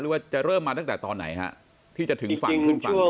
หรือว่าจะเริ่มมาตั้งแต่ตอนไหนครับที่จะถึงฝั่ง